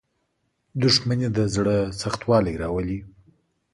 • دښمني د زړه سختوالی راولي.